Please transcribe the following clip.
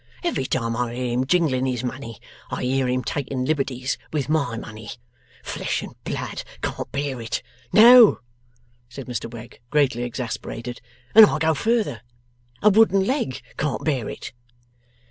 Every time I hear him jingling his money, I hear him taking liberties with my money. Flesh and blood can't bear it. No,' said Mr Wegg, greatly exasperated, 'and I'll go further. A wooden leg can't bear it!